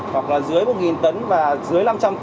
hoặc là dưới một tấn và dưới năm trăm linh